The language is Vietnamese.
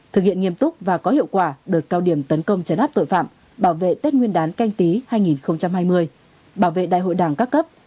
thực hiện nghiêm túc và có hiệu quả đợt cao điểm tấn công chấn áp tội phạm bảo vệ tết nguyên đán canh tí hai nghìn hai mươi bảo vệ đại hội đảng các cấp